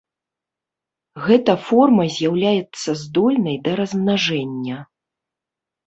Гэта форма з'яўляецца здольнай да размнажэння.